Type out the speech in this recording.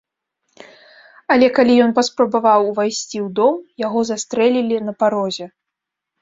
Але калі ён паспрабаваў увайсці ў дом, яго застрэлілі на парозе.